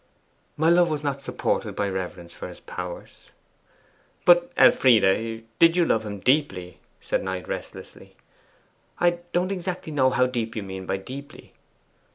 'My love was not supported by reverence for his powers.' 'But, Elfride, did you love him deeply?' said Knight restlessly. 'I don't exactly know how deep you mean by deeply.